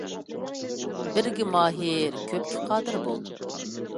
بىرگە ماھىر كۆپكە قادىر بول.